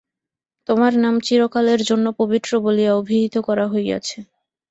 তোমার নাম চিরকালের জন্য পবিত্র বলিয়া অভিহিত করা হইয়াছে।